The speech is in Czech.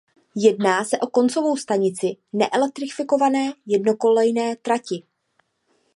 Jedná se o koncovou stanici neelektrifikované jednokolejné trati.